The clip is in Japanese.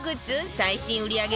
最新売り上げ